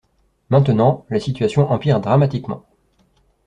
Maintenant la situation empire dramatiquement.